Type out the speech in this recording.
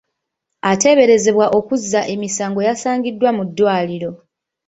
Ateeberezebwa okuzza emisango yasangiddwa mu ddwaliro.